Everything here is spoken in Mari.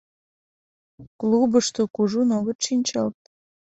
Клубышто кужун огыт шинчылт.